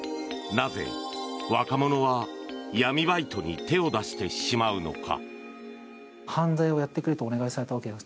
なぜ若者は闇バイトに手を出してしまうのか。